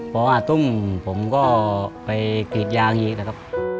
ผมก็ไปกิจยางอีกนะครับ